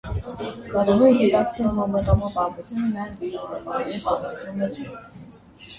Կարևոր է գիտակցել, որ մտավոր պատմությունը միայն մտավորականների պատմությունը չէ։